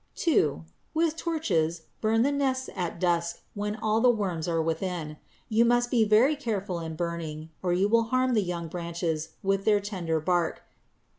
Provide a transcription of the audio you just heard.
(2) With torches burn the nests at dusk when all the worms are within. You must be very careful in burning or you will harm the young branches with their tender bark.